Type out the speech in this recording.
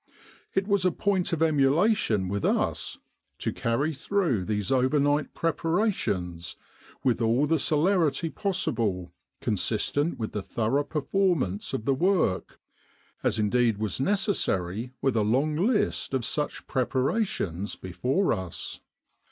It was a point of emulation with us to carry through these overnight preparations with all the celerity possible, consistent with the thorough performance of the work, as indeed was necessary with a long list of such preparations before us.